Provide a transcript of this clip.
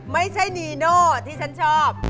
ไม่ใช่นีโน่ที่ฉันชอบ